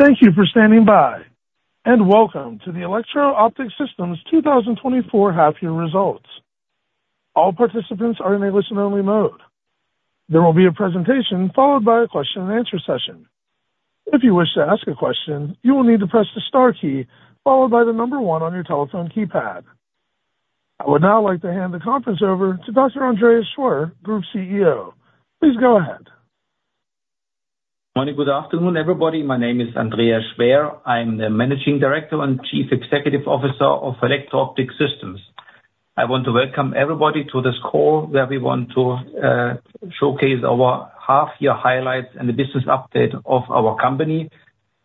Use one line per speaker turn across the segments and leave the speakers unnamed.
Thank you for standing by, and welcome to the Electro Optic Systems 2024 half year results. All participants are in a listen-only mode. There will be a presentation, followed by a question and answer session. If you wish to ask a question, you will need to press the star key, followed by the number one on your telephone keypad. I would now like to hand the conference over to Dr. Andreas Schwer, Group CEO. Please go ahead.
Morning. Good afternoon, everybody. My name is Andreas Schwer. I'm the Managing Director and Chief Executive Officer of Electro Optic Systems. I want to welcome everybody to this call, where we want to showcase our half-year highlights and the business update of our company,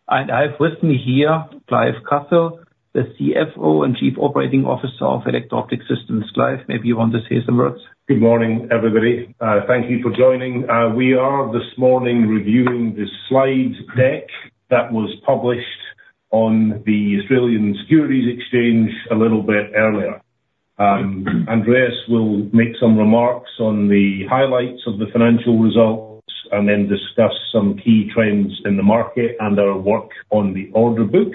and I have with me here, Clive Cuthell, the CFO and Chief Operating Officer of Electro Optic Systems. Clive, maybe you want to say some words.
Good morning, everybody. Thank you for joining. We are this morning reviewing the slide deck that was published on the Australian Securities Exchange a little bit earlier. Andreas will make some remarks on the highlights of the financial results and then discuss some key trends in the market and our work on the order book.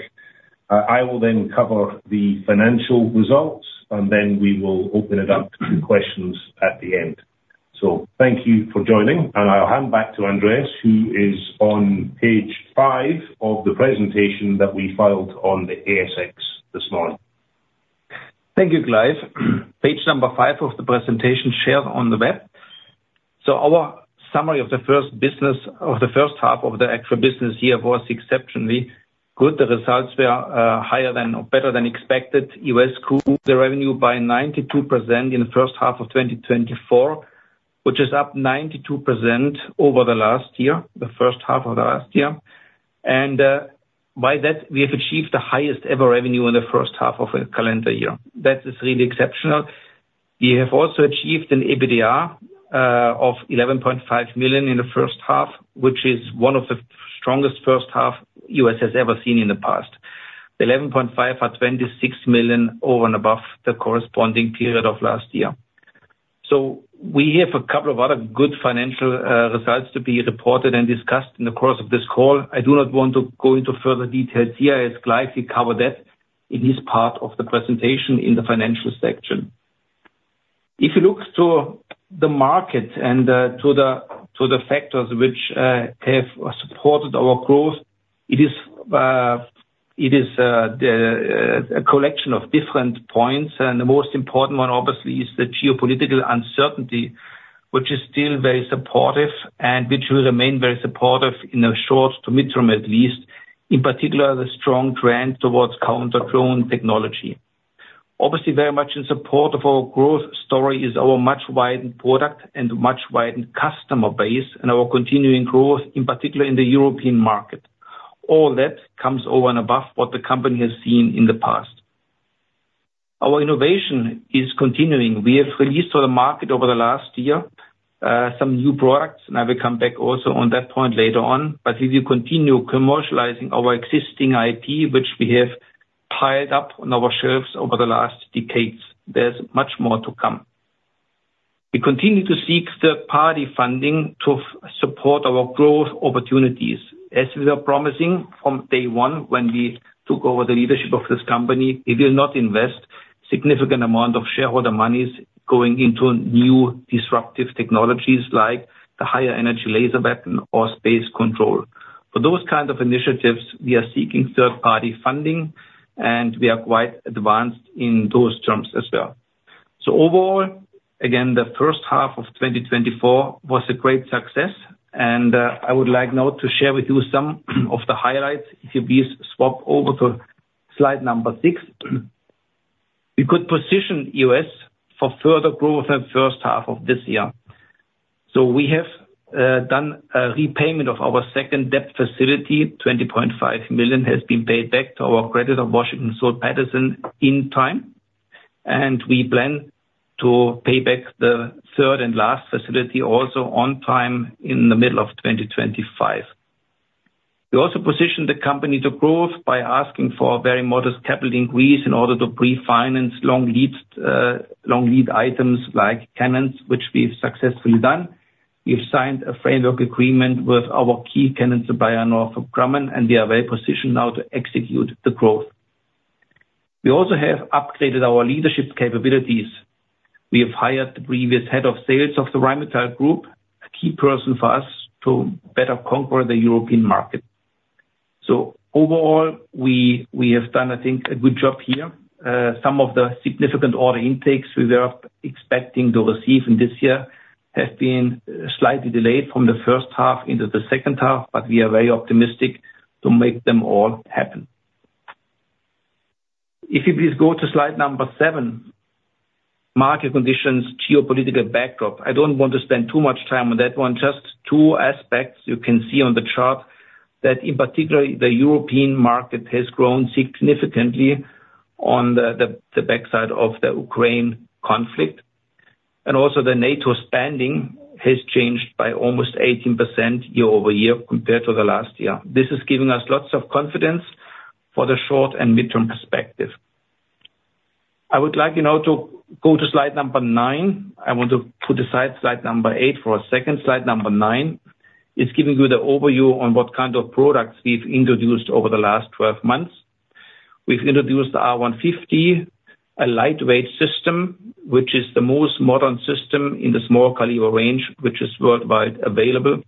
I will then cover the financial results, and then we will open it up to questions at the end, so thank you for joining, and I'll hand back to Andreas, who is on page five of the presentation that we filed on the ASX this morning.
Thank you, Clive. Page number five of the presentation shared on the web. Our summary of the first half of the actual business year was exceptionally good. The results were higher than or better than expected. EOS grew the revenue by 92% in the first half of 2024, which is up 92% over the last year, the first half of last year. By that, we have achieved the highest-ever revenue in the first half of a calendar year. That is really exceptional. We have also achieved an EBITDA of 11.5 million in the first half, which is one of the strongest first half EOS has ever seen in the past. Eleven point five are 26 million over and above the corresponding period of last year. So we have a couple of other good financial results to be reported and discussed in the course of this call. I do not want to go into further details here, as Clive will cover that in his part of the presentation, in the financial section. If you look to the market and to the factors which have supported our growth, it is a collection of different points, and the most important one, obviously, is the geopolitical uncertainty, which is still very supportive and which will remain very supportive in the short to mid-term, at least, in particular, the strong trend towards counter-drone technology. Obviously, very much in support of our growth story is our much widened product and much widened customer base, and our continuing growth, in particular in the European market. All that comes over and above what the company has seen in the past. Our innovation is continuing. We have released to the market over the last year, some new products, and I will come back also on that point later on, but as we continue commercializing our existing IP, which we have piled up on our shelves over the last decades, there's much more to come. We continue to seek third-party funding to support our growth opportunities. As we are promising from day one, when we took over the leadership of this company, we will not invest significant amount of shareholder monies going into new disruptive technologies like the higher energy laser weapon or space control. For those kind of initiatives, we are seeking third-party funding, and we are quite advanced in those terms as well. Overall, again, the first half of 2024 was a great success, and I would like now to share with you some of the highlights. If you please, swap over to slide number six. We could position EOS for further growth in first half of this year. So we have done a repayment of our second debt facility. 20.5 million has been paid back to our creditor Washington H. Soul Pattinson in time, and we plan to pay back the third and last facility also on time in the middle of 2025. We also positioned the company to growth by asking for a very modest capital increase in order to pre-finance long lead items like cannons, which we've successfully done. We've signed a framework agreement with our key cannon supplier, Northrop Grumman, and we are well positioned now to execute the growth. We also have upgraded our leadership capabilities. We have hired the previous head of sales of the Rheinmetall Group, a key person for us to better conquer the European market. So overall, we have done, I think, a good job here. Some of the significant order intakes we were expecting to receive in this year have been slightly delayed from the first half into the second half, but we are very optimistic to make them all happen. If you please go to slide number seven, market conditions, geopolitical backdrop. I don't want to spend too much time on that one. Just two aspects you can see on the chart, that in particular, the European market has grown significantly on the backside of the Ukraine conflict, and also the NATO spending has changed by almost 18% year over year compared to the last year. This is giving us lots of confidence for the short and mid-term perspective.... I would like, you know, to go to slide number nine. I want to put aside slide number eight for a second. Slide number nine is giving you the overview on what kind of products we've introduced over the last twelve months. We've introduced the R150, a lightweight system, which is the most modern system in the small caliber range, which is worldwide available.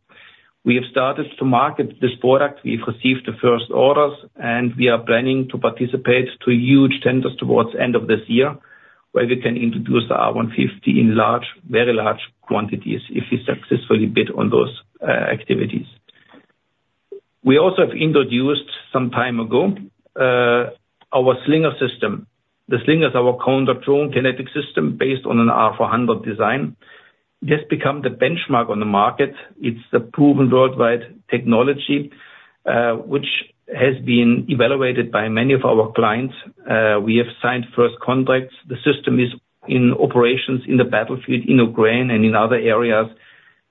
We have started to market this product. We've received the first orders, and we are planning to participate to huge tenders towards end of this year, where we can introduce the R150 in large, very large quantities if we successfully bid on those, activities. We also have introduced some time ago, our Slinger system. The Slinger is our counter-drone kinetic system, based on an R400 design. This become the benchmark on the market. It's the proven worldwide technology, which has been evaluated by many of our clients. We have signed first contracts. The system is in operations in the battlefield, in Ukraine and in other areas.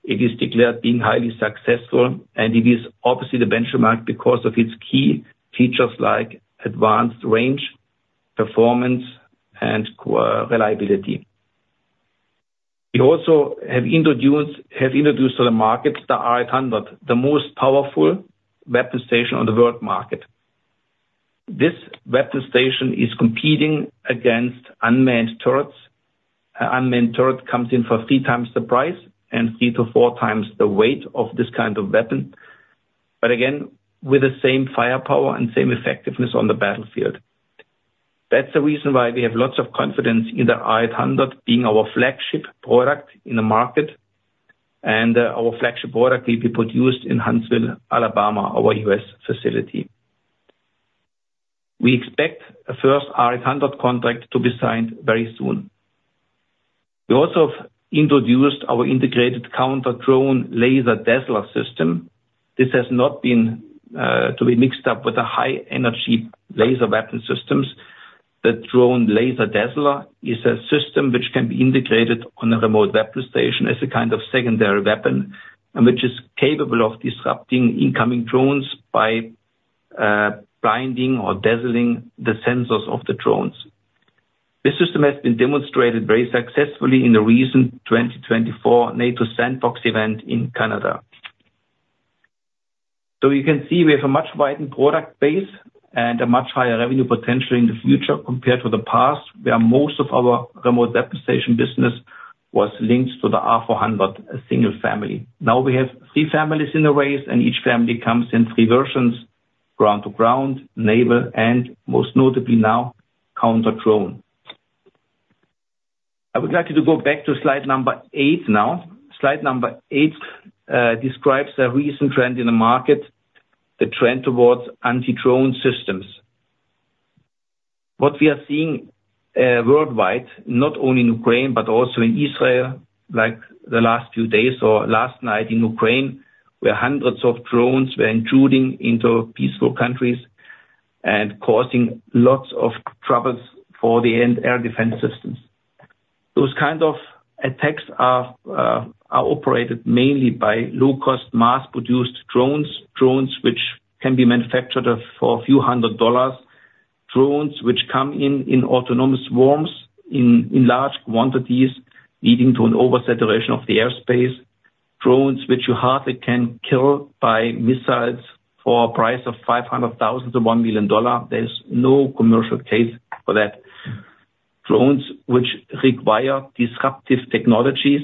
It is declared being highly successful, and it is obviously the benchmark because of its key features like advanced range, performance, and, reliability. We also have introduced to the market, the R800, the most powerful weapon station on the world market. This weapon station is competing against unmanned turrets. Unmanned turret comes in for three times the price and three to four times the weight of this kind of weapon, but again, with the same firepower and same effectiveness on the battlefield. That's the reason why we have lots of confidence in the R800 being our flagship product in the market, and our flagship product will be produced in Huntsville, Alabama, our U.S. facility. We expect a first R800 contract to be signed very soon. We also have introduced our integrated counter-drone laser dazzler system. This has not been to be mixed up with the high energy laser weapon systems. The drone laser dazzler is a system which can be integrated on a remote weapon station as a kind of secondary weapon, and which is capable of disrupting incoming drones by blinding or dazzling the sensors of the drones. This system has been demonstrated very successfully in the recent twenty-twenty four NATO Sandbox event in Canada. So you can see we have a much widened product base and a much higher revenue potential in the future compared to the past, where most of our remote weapon station business was linked to the R400, a single family. Now we have three families in the race, and each family comes in three versions, ground to ground, naval, and most notably now, counter-drone. I would like you to go back to slide number eight now. Slide number eight describes a recent trend in the market, the trend towards anti-drone systems. What we are seeing worldwide, not only in Ukraine, but also in Israel, like the last few days or last night in Ukraine, where hundreds of drones were intruding into peaceful countries and causing lots of troubles for the entire air defense systems. Those kind of attacks are operated mainly by low-cost, mass-produced drones. Drones which can be manufactured for a few hundred dollars, drones which come in autonomous swarms, in large quantities, leading to an oversaturation of the airspace. Drones which you hardly can kill by missiles for a price of $500,000-$1 million. There's no commercial case for that. Drones which require disruptive technologies,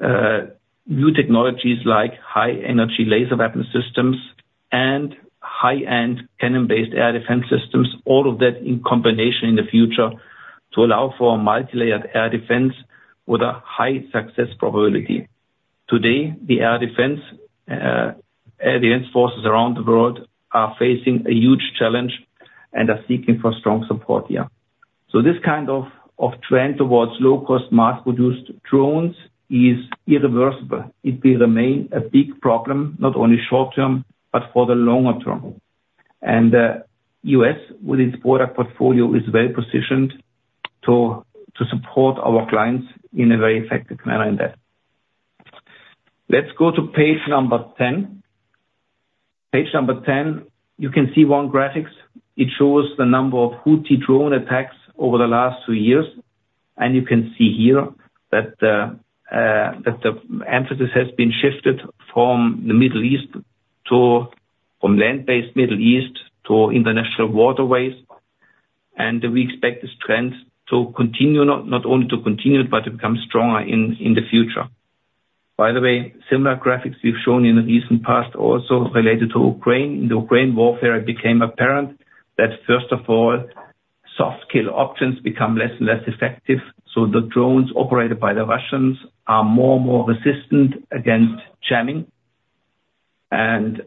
new technologies like high energy laser weapon systems and high-end cannon-based air defense systems, all of that in combination in the future, to allow for a multilayered air defense with a high success probability. Today, the air defense forces around the world are facing a huge challenge and are seeking strong support here. This kind of trend towards low-cost, mass-produced drones is irreversible. It will remain a big problem, not only short term, but for the longer term. EOS, with its product portfolio, is well positioned to support our clients in a very effective manner in that. Let's go to page number ten. Page number ten, you can see one graphic. It shows the number of Houthi drone attacks over the last two years, and you can see here that the emphasis has been shifted from land-based Middle East to international waterways. We expect this trend to continue, not only to continue, but to become stronger in the future. By the way, similar graphics we've shown in the recent past also related to Ukraine. In the Ukraine warfare, it became apparent that, first of all, soft kill options become less and less effective, so the drones operated by the Russians are more and more resistant against jamming. And,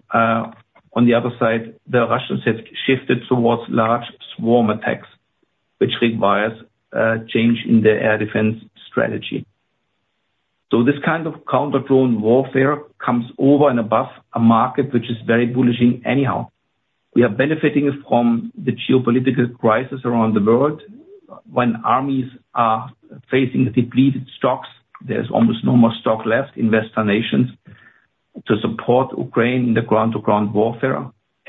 on the other side, the Russians have shifted towards large swarm attacks, which requires a change in the air defense strategy. So this kind of counter-drone warfare comes over and above a market, which is very bullish anyhow. We are benefiting from the geopolitical crisis around the world. When armies are facing depleted stocks, there's almost no more stock left in Western nations. to support Ukraine in the ground-to-ground warfare,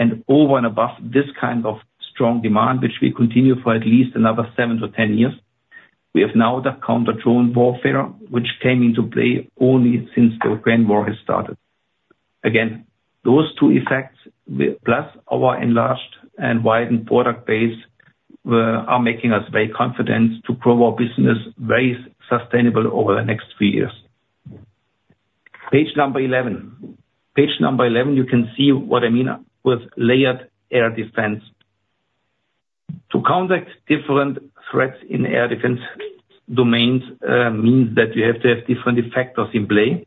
and over and above this kind of strong demand, which we continue for at least another seven to ten years, we have now the counter-drone warfare, which came into play only since the Ukraine war has started. Again, those two effects, plus our enlarged and widened product base, were, are making us very confident to grow our business very sustainable over the next few years. Page number eleven. Page number eleven, you can see what I mean with layered air defense. To counter different threats in air defense domains, means that you have to have different effectors in play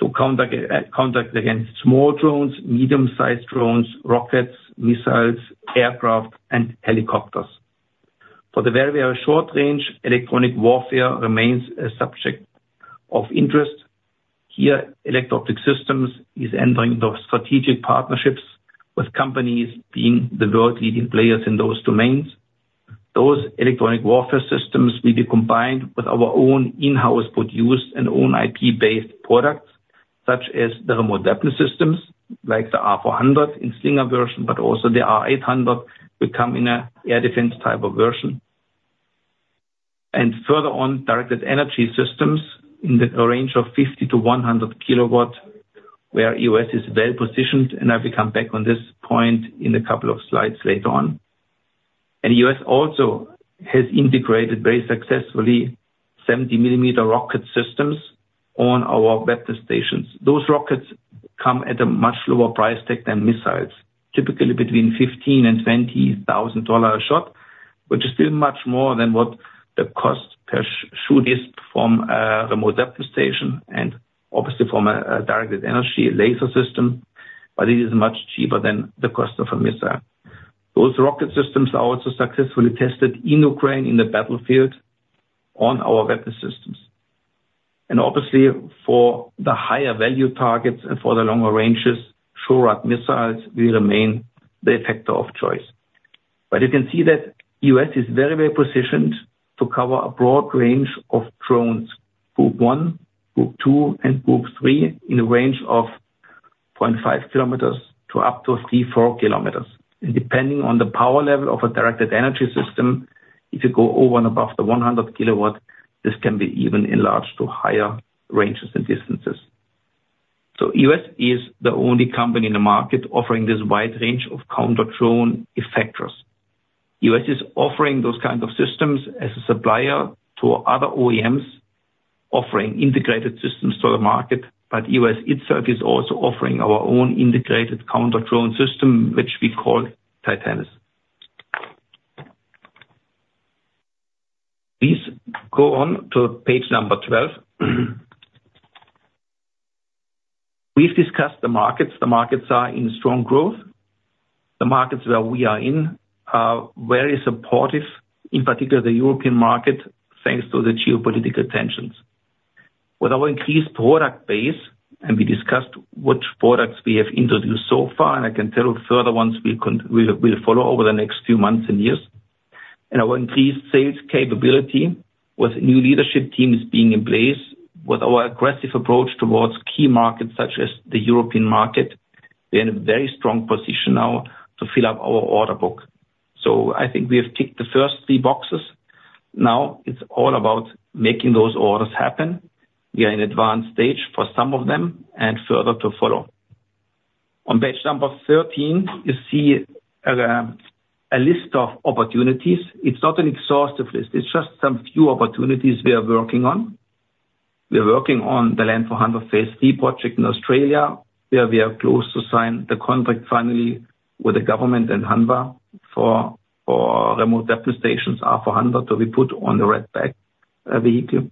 to conduct against small drones, medium-sized drones, rockets, missiles, aircraft, and helicopters. For the very, very short range, electronic warfare remains a subject of interest. Here, Electro Optic Systems is entering into strategic partnerships with companies, being the world-leading players in those domains. Those electronic warfare systems will be combined with our own in-house produced and own IP-based products, such as the remote weapon systems, like the R400 in Slinger version, but also the R800 will come in an air defense type of version. Further on, directed energy systems in the range of 50-100 kilowatt, where EOS is well positioned, and I will come back on this point in a couple of slides later on. EOS also has integrated very successfully 70 millimeter rocket systems on our weapon stations. Those rockets come at a much lower price tag than missiles, typically between $15,000 and $20,000 a shot, which is still much more than what the cost per shot is from the remote weapon station and obviously from a directed energy laser system, but it is much cheaper than the cost of a missile. Those rocket systems are also successfully tested in Ukraine, in the battlefield, on our weapon systems. Obviously for the higher value targets and for the longer ranges, short-range missiles will remain the effector of choice. You can see that EOS is very, very positioned to cover a broad range of drones, Group 1, Group 2, and Group 3, in a range of 0.5 kilometers to up to 3-4 kilometers. And depending on the power level of a directed energy system, if you go over and above the 100 kilowatt, this can be even enlarged to higher ranges and distances. So EOS is the only company in the market offering this wide range of counter-drone effectors. EOS is offering those kinds of systems as a supplier to other OEMs, offering integrated systems to the market, but EOS itself is also offering our own integrated counter-drone system, which we call Titanis. Please go on to page 12. We've discussed the markets. The markets are in strong growth. The markets where we are in are very supportive, in particular the European market, thanks to the geopolitical tensions. With our increased product base, and we discussed which products we have introduced so far, and I can tell further ones we'll follow over the next few months and years. And our increased sales capability with new leadership teams being in place, with our aggressive approach towards key markets such as the European market, we're in a very strong position now to fill up our order book. So I think we have ticked the first three boxes. Now it's all about making those orders happen. We are in advanced stage for some of them, and further to follow. On page number thirteen, you see a list of opportunities. It's not an exhaustive list; it's just some few opportunities we are working on. We are working on the Land 400 Phase 3 project in Australia, where we are close to sign the contract finally with the government in Hanwha for remote weapon stations, R400, to be put on the Redback vehicle.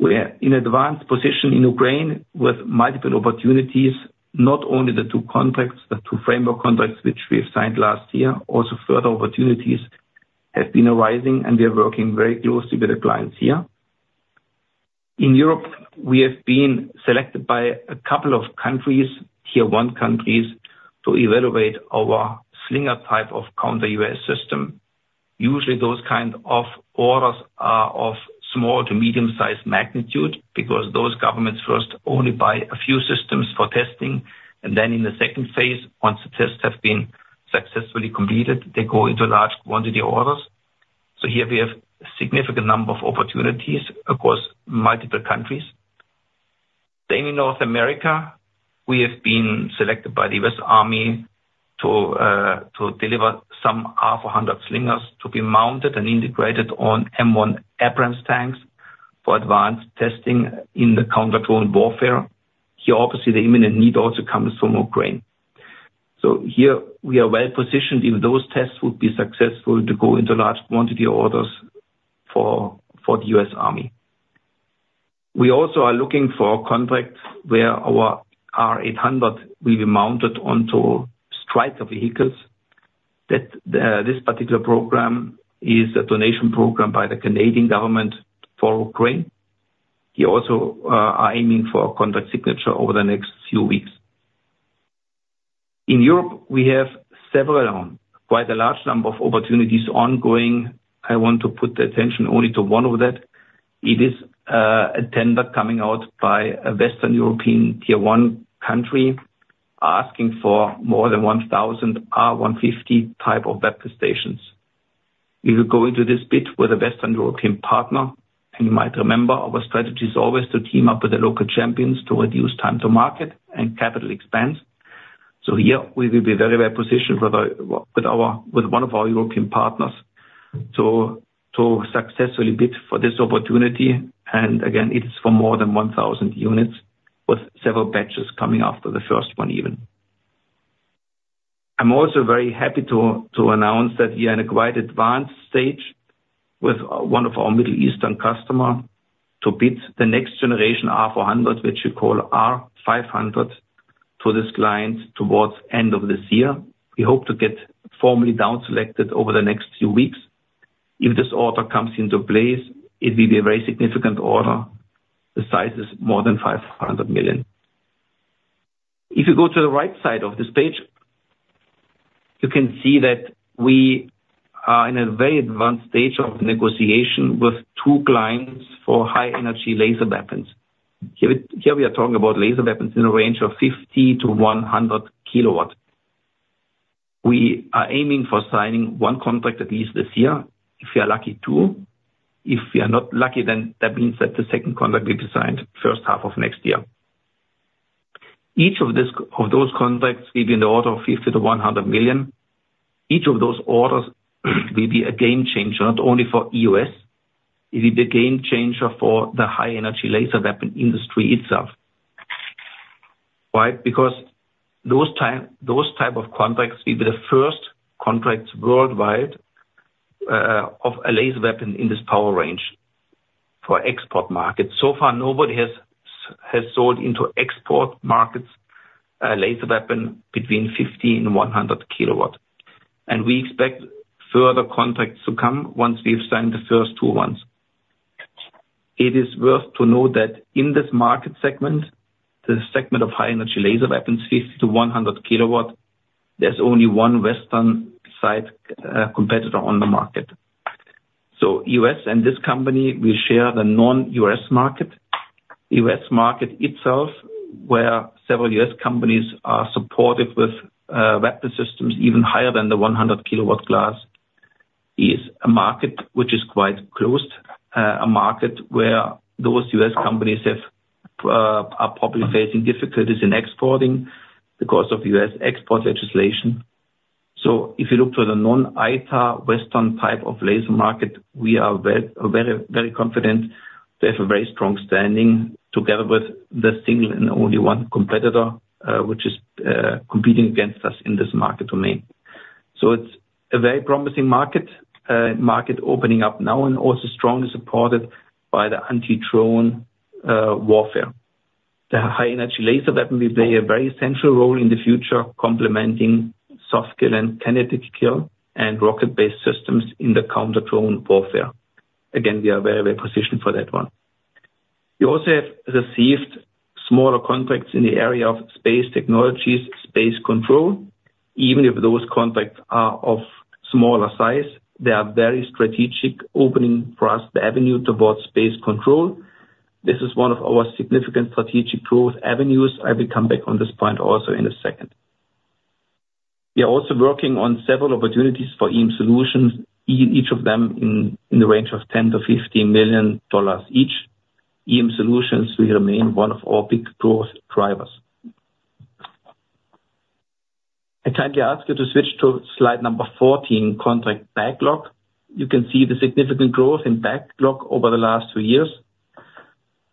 We are in an advanced position in Ukraine with multiple opportunities, not only the two contracts, the two framework contracts, which we have signed last year. Also, further opportunities have been arising, and we are working very closely with the clients here. In Europe, we have been selected by a couple of countries, tier one countries, to evaluate our Slinger type of counter-UAS system. Usually, those kind of orders are of small to medium-sized magnitude because those governments first only buy a few systems for testing, and then in the second phase, once the tests have been successfully completed, they go into large quantity orders. So here we have a significant number of opportunities across multiple countries. Then in North America, we have been selected by the U.S. Army to deliver some R400 Slingers to be mounted and integrated on M1 Abrams tanks for advanced testing in the counter-drone warfare. Here, obviously, the imminent need also comes from Ukraine. So here we are well positioned, if those tests would be successful, to go into large quantity orders for the U.S. Army. We also are looking for contracts where our R800 will be mounted onto Stryker vehicles. That this particular program is a donation program by the Canadian government for Ukraine. We also are aiming for a contract signature over the next few weeks. In Europe, we have several, quite a large number of opportunities ongoing. I want to put the attention only to one of that. It is a tender coming out by a Western European tier one country, asking for more than one thousand R150 type of weapon stations. We will go into this bid with a Western European partner, and you might remember our strategy is always to team up with the local champions to reduce time to market and capital expense. So here, we will be very well positioned with one of our European partners to successfully bid for this opportunity. And again, it is for more than one thousand units, with several batches coming after the first one even. I'm also very happy to announce that we are in a quite advanced stage with one of our Middle Eastern customer, to bid the next generation R400, which we call R500, to this client towards end of this year. We hope to get formally down selected over the next few weeks. If this order comes into place, it will be a very significant order. The size is more than 500 million. If you go to the right side of this page, you can see that we are in a very advanced stage of negotiation with two clients for high energy laser weapons. Here, here we are talking about laser weapons in a range of 50-100 kilowatt. We are aiming for signing one contract, at least this year. If we are lucky, two. If we are not lucky, then that means that the second contract will be signed first half of next year. Each of those contracts will be in the order of 50-100 million. Each of those orders will be a game changer, not only for EOS. It will be a game changer for the high-energy laser weapon industry itself. Why? Because those type of contracts will be the first contracts worldwide of a laser weapon in this power range for export markets. So far, nobody has sold into export markets a laser weapon between 50 and 100 kilowatt. And we expect further contracts to come once we've signed the first two ones. It is worth to note that in this market segment, the segment of high-energy laser weapons, 50-100 kilowatt, there's only one Western side competitor on the market. So EOS and this company will share the non-US market. U.S. market itself, where several U.S. companies are supportive with weapon systems even higher than the one hundred kilowatt class, is a market which is quite closed. A market where those U.S. companies have are probably facing difficulties in exporting because of U.S. export legislation. So if you look to the non-ITAR Western type of laser market, we are very, very, very confident. They have a very strong standing together with the single and only one competitor, which is competing against us in this market domain. So it's a very promising market, market opening up now and also strongly supported by the anti-drone warfare. The high energy laser weapon will play a very central role in the future, complementing soft kill and kinetic kill and rocket-based systems in the counter-drone warfare. Again, we are very, very positioned for that one. We also have received smaller contracts in the area of space technologies, space control. Even if those contracts are of smaller size, they are very strategic, opening for us the avenue towards space control. This is one of our significant strategic growth avenues. I will come back on this point also in a second. We are also working on several opportunities for EM Solutions, each of them in the range of 10-15 million dollars each. EM Solutions will remain one of our big growth drivers. I kindly ask you to switch to slide number 14, Contract Backlog. You can see the significant growth in backlog over the last two years.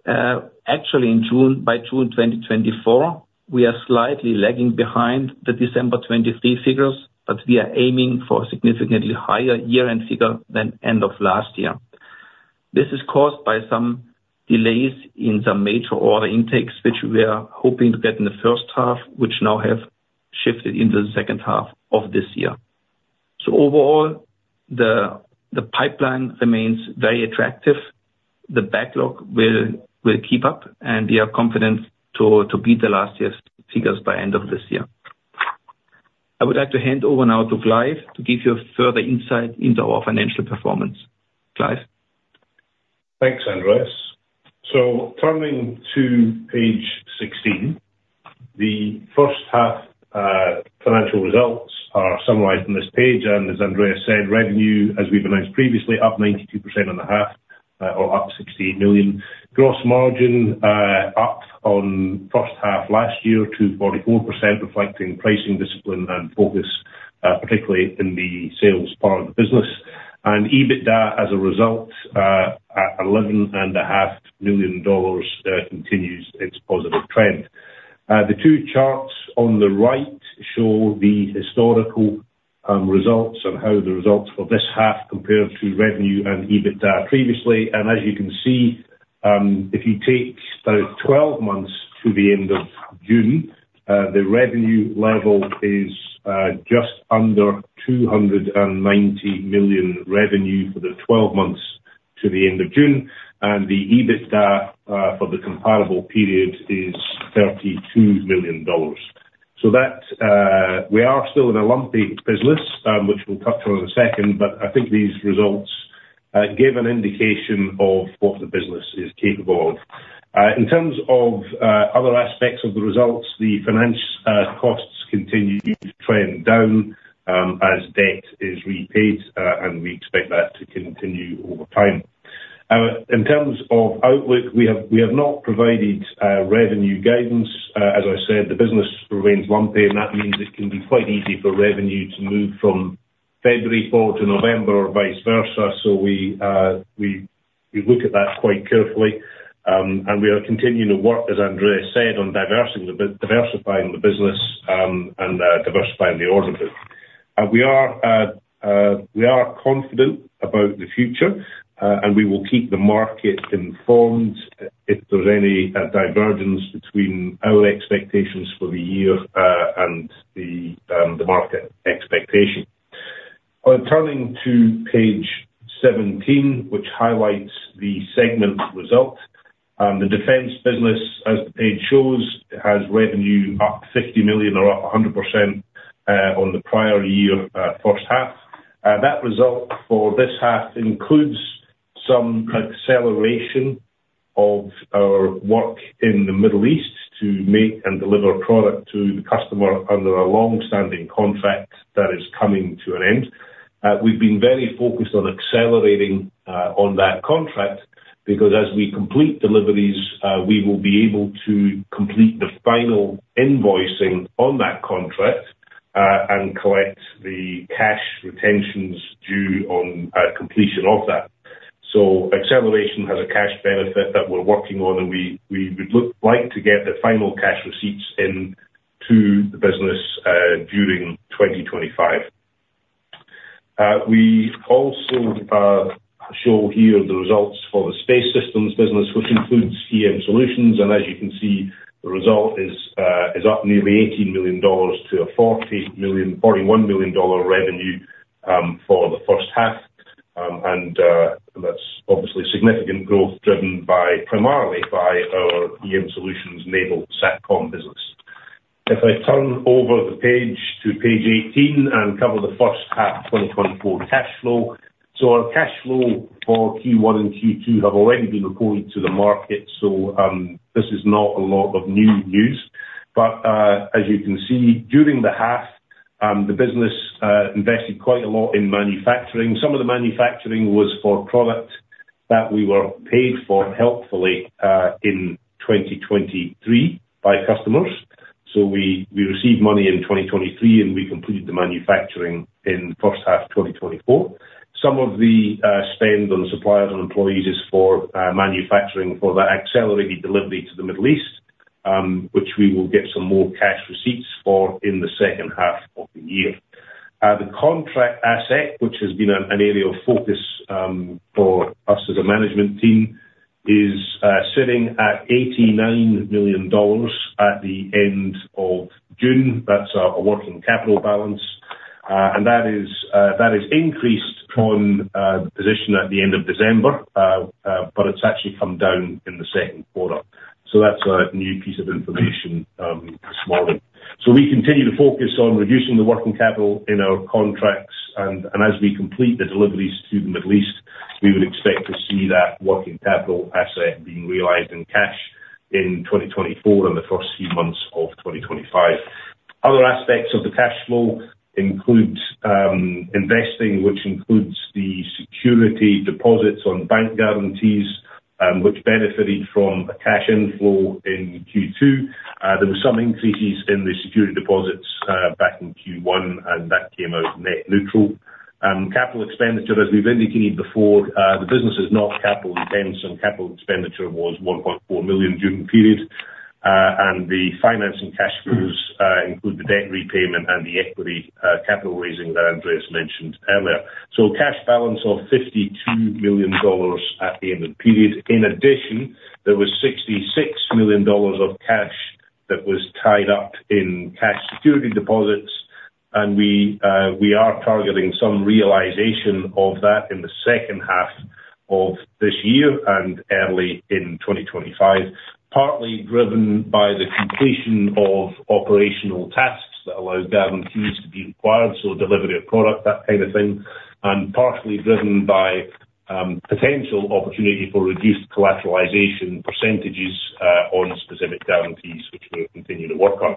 Actually, in June, by June 2024, we are slightly lagging behind the December 2023 figures, but we are aiming for significantly higher year-end figure than end of last year. This is caused by some delays in some major order intakes, which we are hoping to get in the first half, which now have shifted into the second half of this year. So overall, the pipeline remains very attractive. The backlog will keep up, and we are confident to beat the last year's figures by end of this year. I would like to hand over now to Clive, to give you a further insight into our financial performance. Clive?
Thanks, Andreas. Turning to page 16, the first half financial results are summarized on this page, and as Andreas said, revenue, as we've announced previously, up 92% on the half, or up 16 million. Gross margin, up on first half last year to 44%, reflecting pricing, discipline, and focus, particularly in the sales part of the business. EBITDA, as a result, at 11.5 million dollars, continues its positive trend. The two charts on the right show the historical results and how the results for this half compare to revenue and EBITDA previously. As you can see, if you take those twelve months to the end of June, the revenue level is just under 290 million revenue for the twelve months. to the end of June, and the EBITDA for the comparable period is 32 million dollars. So that, we are still in a lumpy business, which we'll touch on in a second, but I think these results give an indication of what the business is capable of. In terms of other aspects of the results, the financial costs continue to trend down, as debt is repaid, and we expect that to continue over time. In terms of outlook, we have not provided revenue guidance. As I said, the business remains lumpy, and that means it can be quite easy for revenue to move from February forward to November or vice versa. So we look at that quite carefully. We are continuing to work, as Andreas said, on diversifying the business, and we are confident about the future, and we will keep the market informed if there's any divergence between our expectations for the year and the market expectation. Turning to page 17, which highlights the segment result, the defense business, as the page shows, has revenue up 50 million or up 100% on the prior year first half. That result for this half includes some acceleration of our work in the Middle East to make and deliver product to the customer under a long-standing contract that is coming to an end. We've been very focused on accelerating on that contract, because as we complete deliveries, we will be able to complete the final invoicing on that contract, and collect the cash retentions due on completion of that. Acceleration has a cash benefit that we're working on, and we would like to get the final cash receipts into the business during 2025. We also show here the results for the Space Systems business, which includes EM Solutions, and as you can see, the result is up nearly 18 million dollars to a 41 million dollar revenue for the first half. That's obviously significant growth driven by, primarily by our EM Solutions naval satcom business. If I turn over the page to page eighteen and cover the first half of 2024 cash flow. So our cash flow for Q1 and Q2 have already been reported to the market, so this is not a lot of new news. But as you can see, during the half, the business invested quite a lot in manufacturing. Some of the manufacturing was for product that we were paid for helpfully in 2023 by customers. So we received money in 2023, and we completed the manufacturing in the first half of 2024. Some of the spend on suppliers and employees is for manufacturing for that accelerated delivery to the Middle East, which we will get some more cash receipts for in the second half of the year. The Contract Asset, which has been an area of focus for us as a management team, is sitting at 89 million dollars at the end of June. That's a working capital balance, and that is increased from the position at the end of December, but it's actually come down in the second quarter. That's a new piece of information this morning. We continue to focus on reducing the working capital in our contracts, and as we complete the deliveries to the Middle East, we would expect to see that working capital asset being realized in cash in 2024 and the first few months of 2025. Other aspects of the cash flow include investing, which includes the security deposits on bank guarantees, which benefited from a cash inflow in Q2. There were some increases in the security deposits back in Q1, and that came out net neutral. Capital expenditure, as we've indicated before, the business is not capital intense, and capital expenditure was 1.4 million during the period. And the financing cash flows include the debt repayment and the equity capital raising that Andreas mentioned earlier. So cash balance of 52 million dollars at the end of the period. In addition, there was 66 million dollars of cash that was tied up in cash security deposits, and we, we are targeting some realization of that in the second half of this year and early in 2025, partly driven by the completion of operational tasks that allow guarantees to be required, so delivery of product, that kind of thing, and partly driven by potential opportunity for reduced collateralization percentages on specific guarantees, which we'll continue to work on.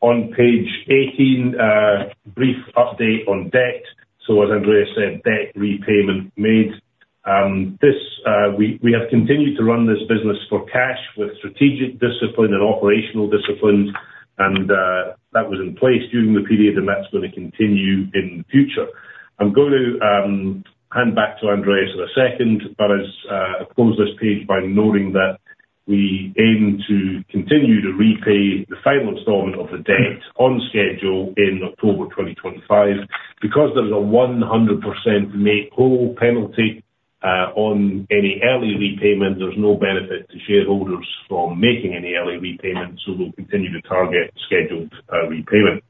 On page 18, brief update on debt. As Andreas said, debt repayment made. This, we, we have continued to run this business for cash with strategic discipline and operational discipline, and that was in place during the period, and that's going to continue in the future. I'm going to hand back to Andreas in a second, but as I close this page by noting that we aim to continue to repay the final installment of the debt on schedule in October 2025. Because there's a 100% make-whole penalty on any early repayment, there's no benefit to shareholders from making any early repayment, so we'll continue to target scheduled repayment.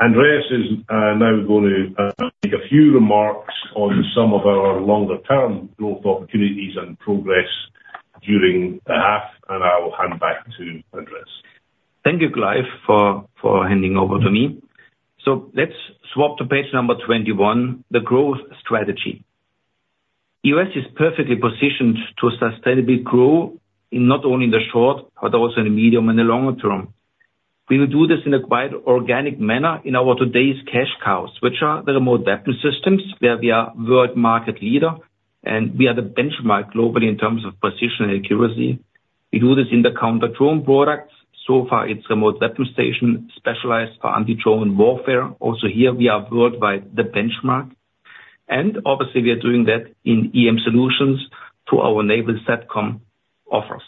Andreas is now going to make a few remarks on some of our longer term growth opportunities and progress during the half, and I will hand back to Andreas.
Thank you, Clive, for handing over to me. So let's swap to page number twenty-one, the growth strategy. EOS is perfectly positioned to sustainably grow not only in the short, but also in the medium and the longer term. We will do this in a quite organic manner in our today's cash cows, which are the remote weapon systems, where we are world market leader, and we are the benchmark globally in terms of precision and accuracy. We do this in the counter-drone products. So far, it's remote weapon station, specialized for anti-drone warfare. Also, here we are worldwide the benchmark, and obviously we are doing that in EM Solutions to our naval SATCOM offers.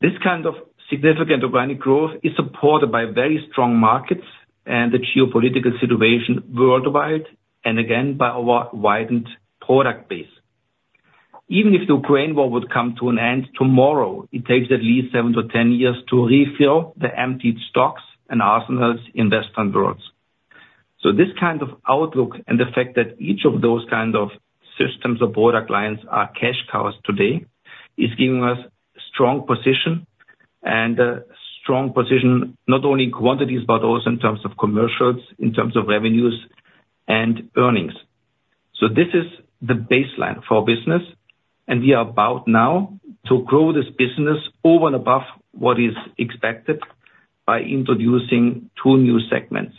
This kind of significant organic growth is supported by very strong markets and the geopolitical situation worldwide, and again, by our widened product base. Even if the Ukraine war would come to an end tomorrow, it takes at least seven to ten years to refill the emptied stocks and arsenals in Western worlds. So this kind of outlook and the fact that each of those kind of systems or product lines are cash cows today, is giving us strong position, and a strong position, not only in quantities, but also in terms of commercials, in terms of revenues and earnings. So this is the baseline for business, and we are about now to grow this business over and above what is expected by introducing two new segments.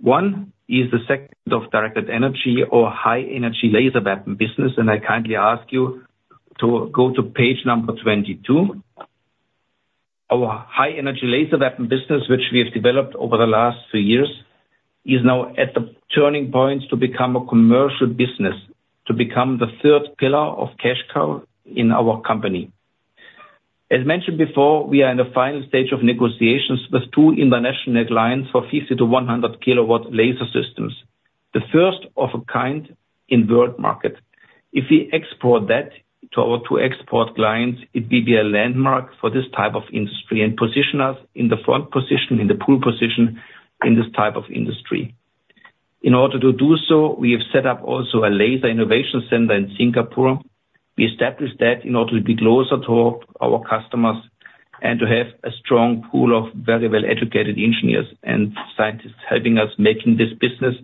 One is the segment of directed energy or high energy laser weapon business, and I kindly ask you to go to page number twenty-two. Our High Energy Laser weapon business, which we have developed over the last three years, is now at the turning point to become a commercial business, to become the third pillar of cash cow in our company. As mentioned before, we are in the final stage of negotiations with two international clients for 50-100 kilowatt laser systems, the first of its kind in world market. If we export that to our two export clients, it will be a landmark for this type of industry and position us in the front position, in the pole position, in this type of industry. In order to do so, we have set up also a laser innovation center in Singapore. We established that in order to be closer to our customers and to have a strong pool of very well-educated engineers and scientists, helping us making this business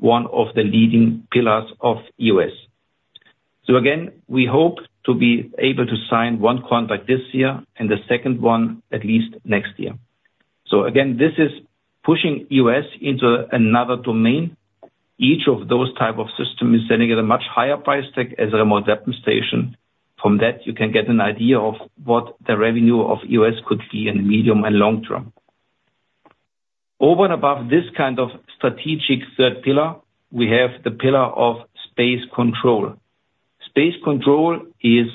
one of the leading pillars of EOS. So again, we hope to be able to sign one contract this year and the second one at least next year. So again, this is pushing EOS into another domain. Each of those type of system is selling at a much higher price tag as a remote demonstration. From that, you can get an idea of what the revenue of EOS could be in the medium and long term. Over and above this kind of strategic third pillar, we have the pillar of Space Control. Space Control is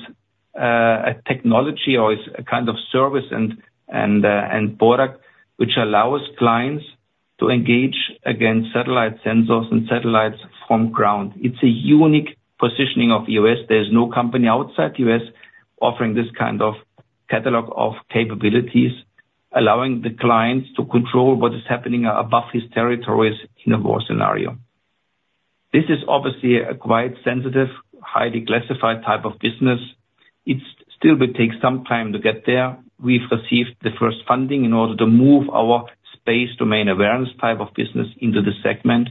a technology or is a kind of service and product, which allows clients to engage against satellite sensors and satellites from ground. It's a unique positioning of EOS. There is no company outside EOS offering this kind of catalog of capabilities, allowing the clients to control what is happening above his territories in a war scenario. This is obviously a quite sensitive, highly classified type of business. It still will take some time to get there. We've received the first funding in order to move our space domain awareness type of business into the segment,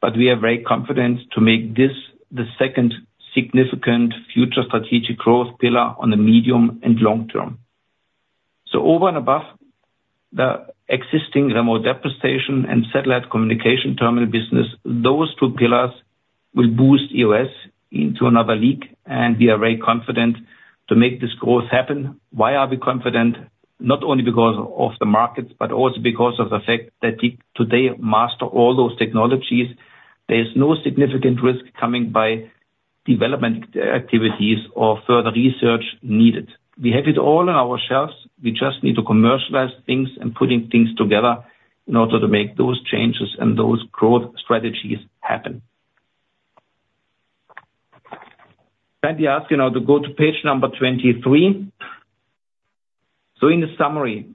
but we are very confident to make this the second significant future strategic growth pillar on the medium and long term, so over and above the existing remote weapon station and satellite communication terminal business, those two pillars will boost EOS into another league, and we are very confident to make this growth happen. Why are we confident? Not only because of the markets, but also because of the fact that we today master all those technologies. There is no significant risk coming from development activities or further research needed. We have it all on our shelves. We just need to commercialize things and putting things together in order to make those changes and those growth strategies happen. I kindly ask you now to go to page number twenty-three. In the summary,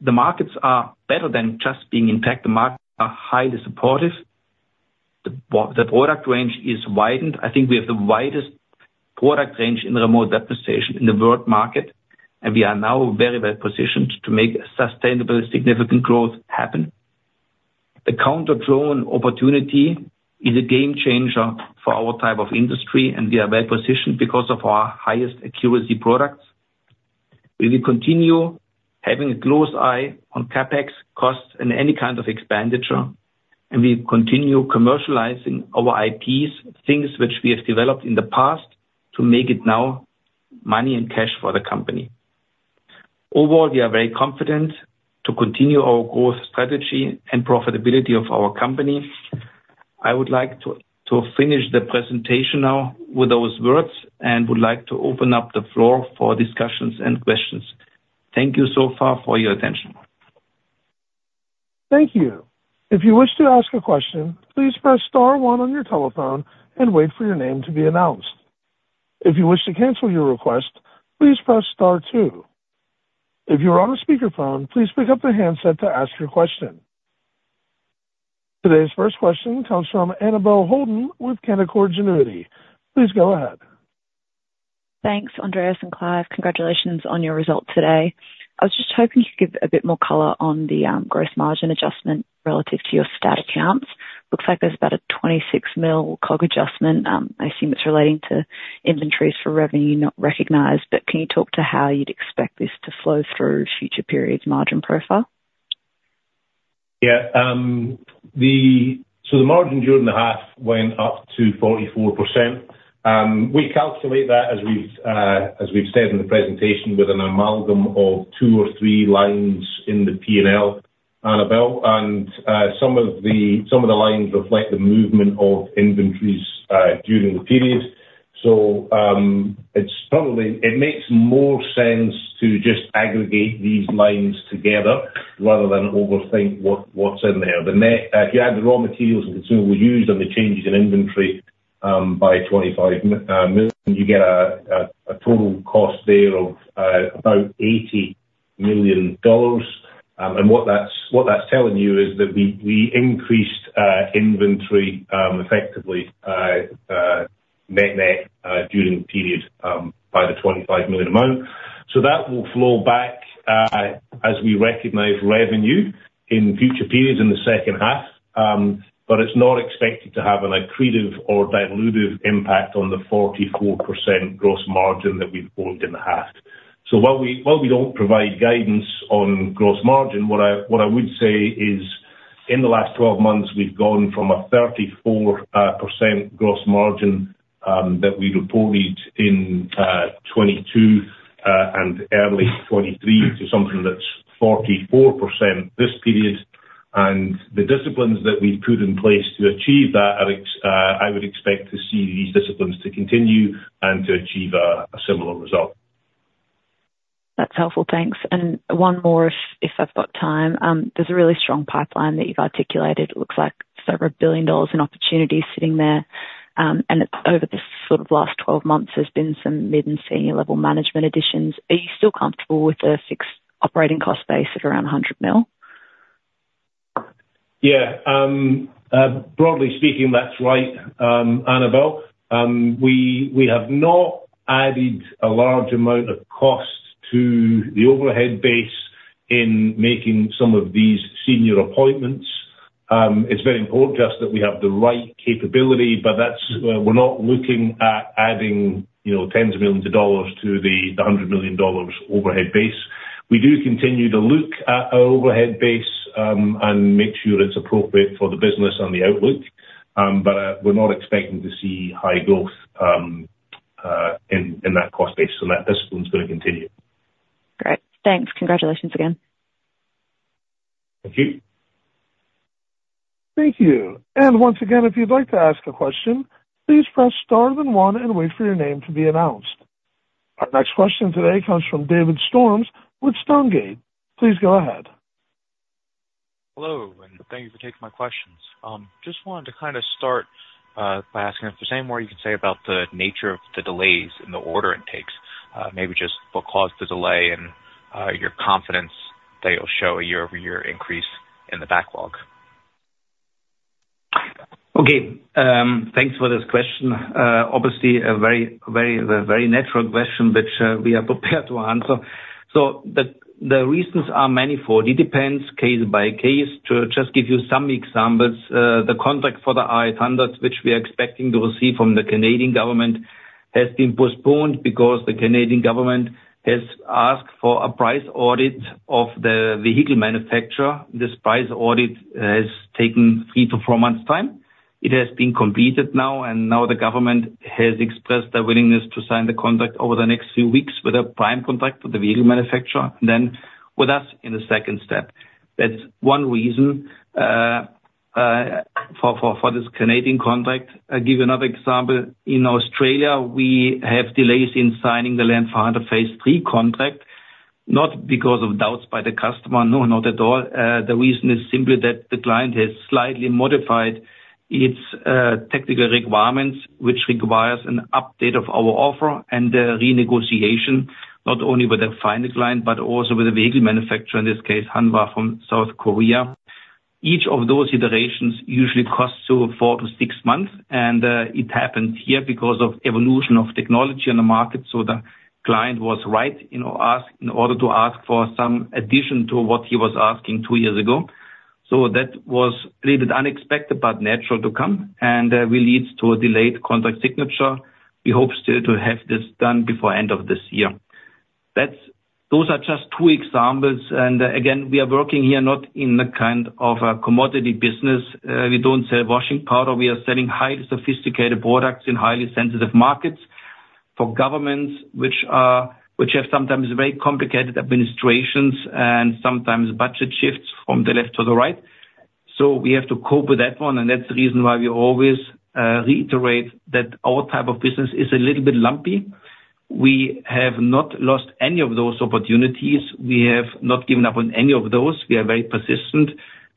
the markets are better than just being in tech. The markets are highly supportive. The product range is widened. I think we have the widest product range in remote weapon stations in the world market, and we are now very well positioned to make sustainable, significant growth happen. The counter-drone opportunity is a game changer for our type of industry, and we are well positioned because of our highest accuracy products. We will continue having a close eye on CapEx costs and any kind of expenditure, and we continue commercializing our IPs, things which we have developed in the past to make it now money and cash for the company. Overall, we are very confident to continue our growth strategy and profitability of our company. I would like to finish the presentation now with those words, and would like to open up the floor for discussions and questions. Thank you so far for your attention.
Thank you. If you wish to ask a question, please press star one on your telephone and wait for your name to be announced. If you wish to cancel your request, please press star two. If you are on a speakerphone, please pick up the handset to ask your question. Today's first question comes from Annabel Holden with Canaccord Genuity. Please go ahead.
Thanks, Andreas and Clive. Congratulations on your results today. I was just hoping you could give a bit more color on the gross margin adjustment relative to your stat accounts. Looks like there's about a 26 million COG adjustment. I assume it's relating to inventories for revenue not recognized, but can you talk to how you'd expect this to flow through future periods' margin profile?
Yeah, so the margin during the half went up to 44%. We calculate that, as we've said in the presentation, with an amalgam of two or three lines in the P&L, Annabel, and some of the lines reflect the movement of inventories during the period. So, it makes more sense to just aggregate these lines together rather than overthink what's in there. The net, if you add the raw materials and consumables used and the changes in inventory by 25 million, you get a total cost there of about 80 million dollars. And what that's telling you is that we increased inventory effectively net during the period by the 25 million amount. That will flow back as we recognize revenue in future periods in the second half, but it's not expected to have an accretive or dilutive impact on the 44% gross margin that we've reported in the half. While we don't provide guidance on gross margin, what I would say is, in the last 12 months, we've gone from a 34% gross margin that we reported in 2022 and early 2023, to something that's 44% this period. And the disciplines that we've put in place to achieve that, I would expect to see these disciplines to continue and to achieve a similar result.
That's helpful, thanks. And one more, if I've got time. There's a really strong pipeline that you've articulated. It looks like several billion AUD in opportunities sitting there. And it's over the sort of last twelve months, there's been some mid and senior level management additions. Are you still comfortable with a fixed operating cost base of around 100 million?
Yeah, broadly speaking, that's right, Annabel. We have not added a large amount of cost to the overhead base in making some of these senior appointments. It's very important to us that we have the right capability, but that's, we're not looking at adding, you know, tens of millions of AUD to the 100 million dollars overhead base. We do continue to look at our overhead base, and make sure it's appropriate for the business and the outlook, but, we're not expecting to see high growth, in that cost base, so that discipline's gonna continue.
Great. Thanks. Congratulations again.
Thank you.
Thank you. Once again, if you'd like to ask a question, please press star then one, and wait for your name to be announced. Our next question today comes from David Storms with Stonegate. Please go ahead.
Hello, and thank you for taking my questions. Just wanted to kind of start by asking if there's any more you can say about the nature of the delays in the order intakes, maybe just what caused the delay and your confidence that it'll show a year-over-year increase in the backlog?
Okay, thanks for this question. Obviously a very, very, a very natural question, which we are prepared to answer. So the reasons are manifold. It depends case by case. To just give you some examples, the contract for the R800, which we are expecting to receive from the Canadian government, has been postponed because the Canadian government has asked for a price audit of the vehicle manufacturer. This price audit has taken three to four months' time. It has been completed now, and now the government has expressed a willingness to sign the contract over the next few weeks with a prime contract with the vehicle manufacturer, then with us in the second step. That's one reason, for this Canadian contract. I'll give you another example. In Australia, we have delays in signing the Land 400 Phase 3 contract, not because of doubts by the customer, no, not at all. The reason is simply that the client has slightly modified its technical requirements, which requires an update of our offer and a renegotiation, not only with the finance client, but also with the vehicle manufacturer, in this case, Hanwha from South Korea. Each of those iterations usually costs four to six months, and it happened here because of evolution of technology in the market. So the client was right, you know, in order to ask for some addition to what he was asking two years ago. So that was a little bit unexpected, but natural to come, and will lead to a delayed contract signature. We hope still to have this done before end of this year. That's those are just two examples, and, again, we are working here not in a kind of a commodity business. We don't sell washing powder. We are selling highly sophisticated products in highly sensitive markets for governments, which have sometimes very complicated administrations and sometimes budget shifts from the left to the right. So we have to cope with that one, and that's the reason why we always reiterate that our type of business is a little bit lumpy. We have not lost any of those opportunities. We have not given up on any of those. We are very persistent,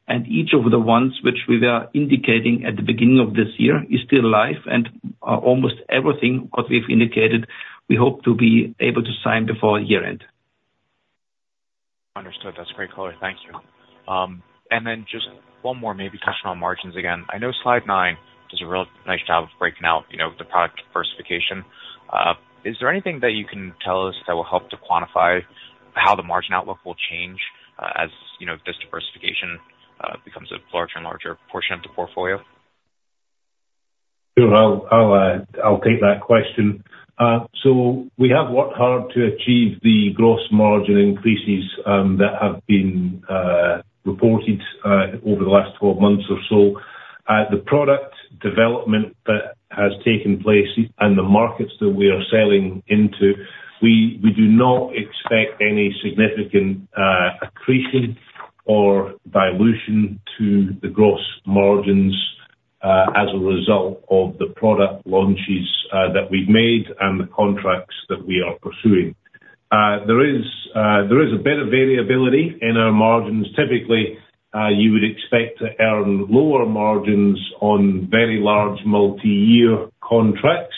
and each of the ones which we were indicating at the beginning of this year is still live, and almost everything what we've indicated, we hope to be able to sign before year-end.
Understood. That's great color. Thank you. And then just one more, maybe touching on margins again. I know slide nine does a real nice job of breaking out, you know, the product diversification. Is there anything that you can tell us that will help to quantify how the margin outlook will change, as, you know, this diversification becomes a larger and larger portion of the portfolio?
Sure. I'll take that question, so we have worked hard to achieve the gross margin increases that have been reported over the last 12 months or so. The product development that has taken place and the markets that we are selling into, we do not expect any significant accretion or dilution to the gross margins as a result of the product launches that we've made and the contracts that we are pursuing. There is a bit of variability in our margins. Typically, you would expect to earn lower margins on very large multi-year contracts,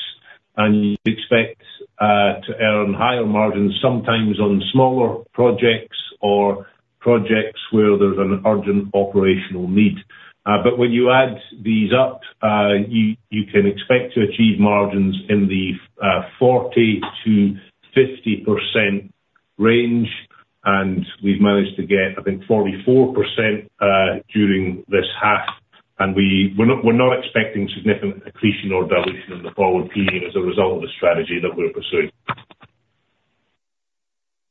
and you'd expect to earn higher margins, sometimes on smaller projects or projects where there's an urgent operational need. But when you add these up, you can expect to achieve margins in the 40%-50% range, and we've managed to get, I think, 44%, during this half. And we're not expecting significant accretion or dilution in the forward period as a result of the strategy that we're pursuing.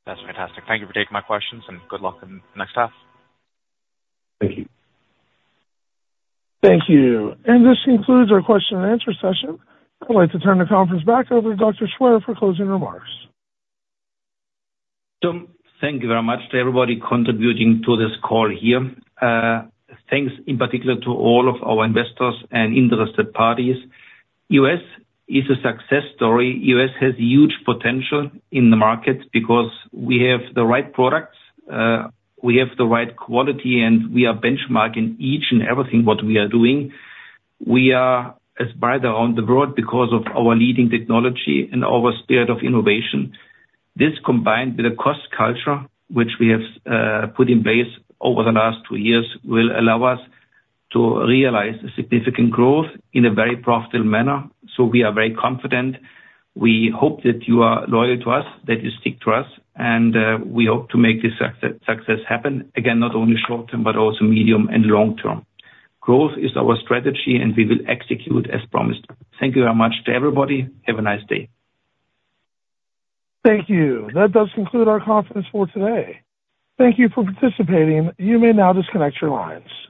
That's fantastic. Thank you for taking my questions, and good luck in the next half.
Thank you.
Thank you. This concludes our question and answer session. I'd like to turn the conference back over to Dr. Schwer for closing remarks.
So thank you very much to everybody contributing to this call here. Thanks in particular to all of our investors and interested parties. EOS is a success story. EOS has huge potential in the market because we have the right products, we have the right quality, and we are benchmarking each and everything what we are doing. We are admired around the world because of our leading technology and our spirit of innovation. This, combined with a cost culture which we have put in place over the last two years, will allow us to realize significant growth in a very profitable manner. So we are very confident. We hope that you are loyal to us, that you stick to us, and we hope to make this success happen again, not only short term, but also medium and long term. Growth is our strategy, and we will execute as promised. Thank you very much to everybody. Have a nice day.
Thank you. That does conclude our conference for today. Thank you for participating. You may now disconnect your lines.